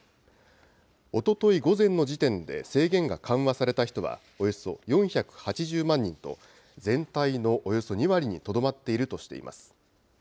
おととい午前の時点で制限が緩和された人は、およそ４８０万人と、全体のおよそ２割にとどまっているとしています。